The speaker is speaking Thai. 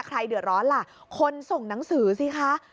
ใครเดือดร้อนล่ะคนส่งหนังสือสิคะ